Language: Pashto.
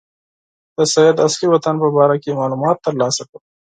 د سید د اصلي وطن په باره کې معلومات ترلاسه کړم.